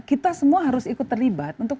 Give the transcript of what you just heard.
kita semua harus ikut terlibat untuk